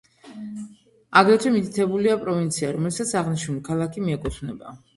აგრეთვე მითითებულია პროვინცია, რომელსაც აღნიშნული ქალაქი მიეკუთვნება.